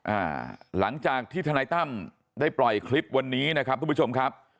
อ่าหลังจากที่ทนายตั้มได้ปล่อยคลิปวันนี้นะครับทุกผู้ชมครับ